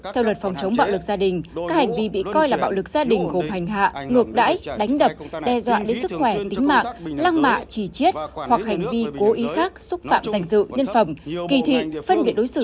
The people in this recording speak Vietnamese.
theo luật phòng chống bạo lực gia đình các hành vi bị coi là bạo lực gia đình gồm hành hạ ngược đãi đánh đập đe dọa đến sức khỏe tính mạng lăng mạ trì chiết hoặc hành vi cố ý khác xúc phạm danh dự nhân phẩm kỳ thị phân biệt đối xử